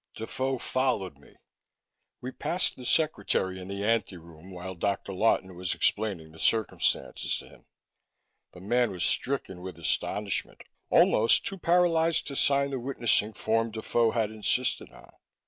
Defoe followed me. We passed the secretary in the anteroom while Dr. Lawton was explaining the circumstances to him; the man was stricken with astonishment, almost too paralyzed to sign the witnessing form Defoe had insisted on.